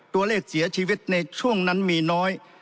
ตัวเลขเสียชีวิตในช่วงนั้นมีน้อย